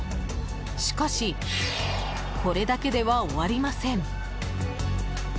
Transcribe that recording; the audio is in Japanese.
しかし、これだけでは終わりません。